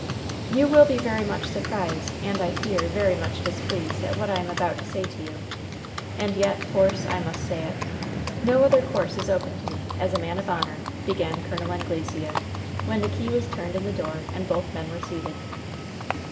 "You will be very much surprised, and, I fear, very much displeased at what I am about to say to you; and yet, Force, I must say it. No other course is open to me, as a man of honor!" began Col. Anglesea, when the key was turned in the door and both men were seated.